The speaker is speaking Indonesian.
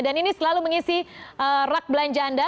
dan ini selalu mengisi rak belanja anda